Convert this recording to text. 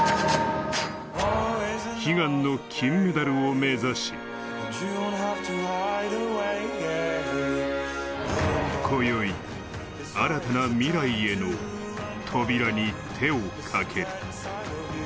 悲願の金メダルを目指し、今宵、新たな未来への扉に手をかける。